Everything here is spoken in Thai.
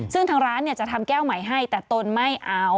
ซึ่งทางร้านจะทำแก้วใหม่ให้แต่ตนไม่เอา